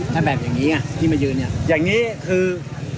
ถ้าแบบอย่างนี้ไงที่มายืนเนี่ยอย่างนี้คือ